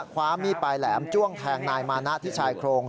ความมีดปลายแหลมจ้วงแทงนายมานะที่ชายโครง